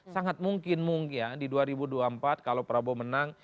sangat mungkin mungkin di dua ribu dua puluh empat kalau prabowo menang